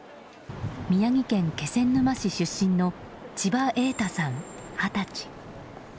宮城県気仙沼市出身の千葉瑛太さん、二十歳。